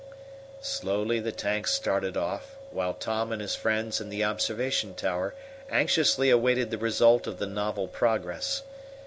Slowly the tank started off, while Tom and his friends in the observation tower anxiously awaited the result of the novel progress.